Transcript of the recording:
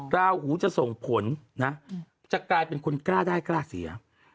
ราหูจะส่งผลนะจะกลายเป็นคนกล้าได้กล้าเสีย